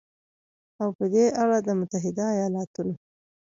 او په دې اړه د متحدو ایالتونو